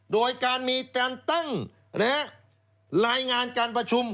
โดยการมีการตั้งรายงานการประชุม